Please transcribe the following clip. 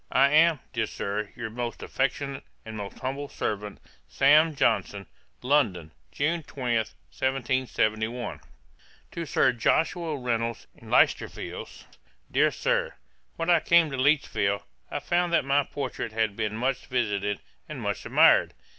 'I am, dear Sir, 'Your most affectionate, 'And most humble servant, 'SAM. JOHNSON.' 'London, June 20, 1771.' 'To SIR JOSHUA REYNOLDS, IN LEICESTER FIELDS. 'DEAR SIR, 'When I came to Lichfield, I found that my portrait had been much visited, and much admired.